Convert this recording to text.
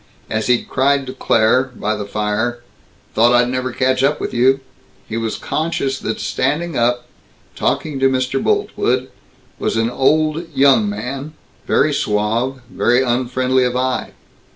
As he cried to Claire, by the fire, "Thought I'd never catch up with you," he was conscious that standing up, talking to Mr. Boltwood, was an old young man, very suave, very unfriendly of eye.